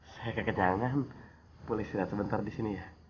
saya ke kenangan boleh saya sementar disini ya